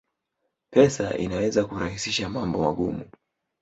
Pesa inaweza kurahisisha mambo magumu